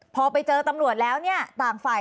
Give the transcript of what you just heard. พอไปเจอตำรวจแล้วเนี่ยต่างฝ่าย